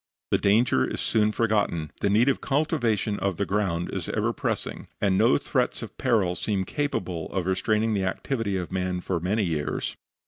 The danger is soon forgotten, the need of cultivation of the ground is ever pressing, and no threats of peril seem capable of restraining the activity of man for many years.